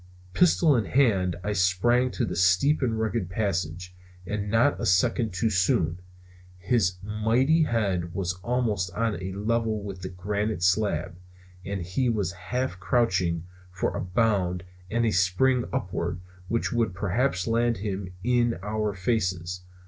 Pistol in hand I sprang to the steep and rugged passage. And not a second too soon. His mighty head was almost on a level with the granite slab. And he was half crouching for a bound and a spring upward, which would perhaps land him in our faces.